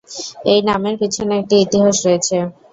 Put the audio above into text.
এই নামের পিছনে একটি ইতিহাস রয়েছে।